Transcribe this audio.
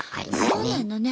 そうなのね。